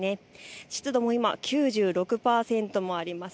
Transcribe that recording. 湿度も９６％もあります。